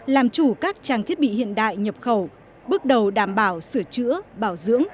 làm chủ các trang thiết bị hiện đại nhập khẩu bước đầu đảm bảo sửa chữa bảo dưỡng